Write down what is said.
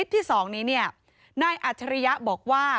ตอนนี้เนี่ยนายอัจริยะบอกว่า